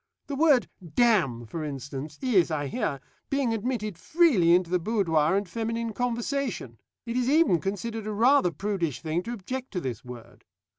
The word 'damn,' for instance, is, I hear, being admitted freely into the boudoir and feminine conversation; it is even considered a rather prudish thing to object to this word.